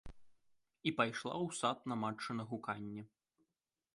І пайшла ў сад на матчына гуканне.